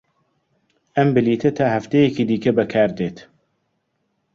ئەم بلیتە تا هەفتەیەکی دیکە بەکاردێت.